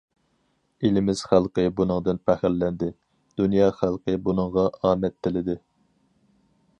ئېلىمىز خەلقى بۇنىڭدىن پەخىرلەندى، دۇنيا خەلقى بۇنىڭغا ئامەت تىلىدى.